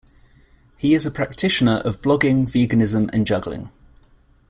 He is a practitioner of blogging, veganism, and juggling.